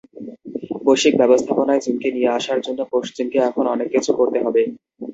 বৈশ্বিক ব্যবস্থাপনায় চীনকে নিয়ে আসার জন্য পশ্চিমকে এখনো অনেক কিছু করতে হবে।